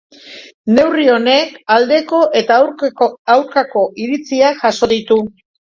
Neurri horrek aldeko eta aurkako iritziak jaso ditu.